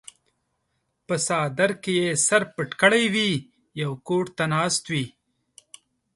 پۀ څادر کښې ئې سر پټ کړے وي يو ګوټ ته ناست وي